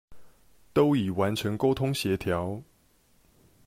都已完成溝通協調